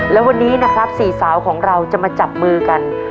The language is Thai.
และวันนี้นะครับสี่สาวของเราจะมาจับมือกัน